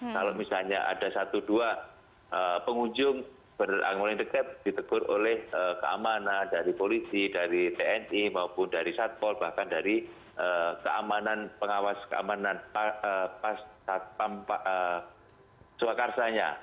kalau misalnya ada satu dua pengunjung benar benar anggun yang tetap ditegur oleh keamanan dari polisi dari tni maupun dari satpol bahkan dari pengawas keamanan pam swakarsanya